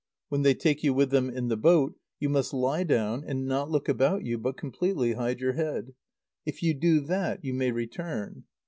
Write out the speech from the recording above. When they take you with them in the boat, you must lie down, and not look about you, but completely hide your head. If you do that, you may return.